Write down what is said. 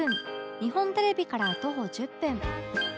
日本テレビから徒歩１０分